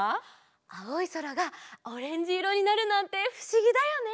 あおいそらがオレンジいろになるなんてふしぎだよね！